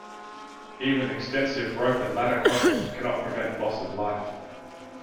Even extensive rope and ladder crossings cannot prevent loss of life.